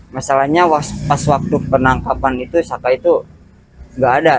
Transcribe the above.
masalahnya pas waktu penangkapan itu saka itu nggak ada